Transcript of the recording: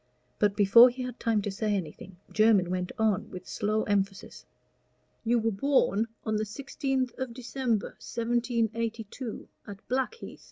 But before he had time to say anything, Jermyn went on with slow emphasis. "You were born on the sixteenth of December, 1782, at Blackheath.